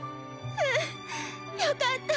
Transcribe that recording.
うんよかった。